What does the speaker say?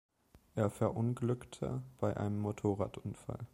Er verunglückte bei einem Motorradunfall.